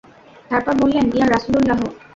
তারপর বললেন, ইয়া রাসূলাল্লাহ!